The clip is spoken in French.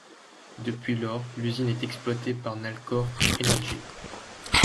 Depuis lors, l'usine est exploitée par Nalcor Energy.